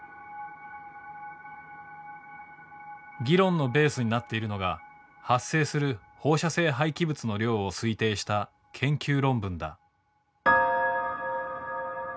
議論のベースになっているのが発生する放射性廃棄物の量を推定した研究論文だ。